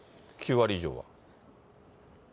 ９割以上は。